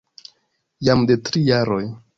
Jam de tri jaroj.